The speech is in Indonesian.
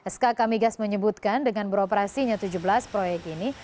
sk kamigas menyebutkan dengan beroperasinya tujuh belas proyek ini